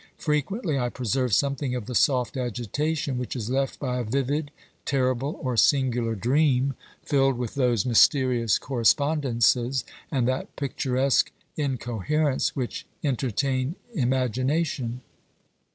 Frequently I preserve something of the soft agitation which is left by a vivid, terrible, or singular dream filled with those mysterious correspondences and that picturesque incoher ence which entertain imagination.